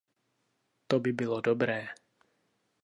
To by bylo dobré.